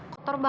kau tak bisa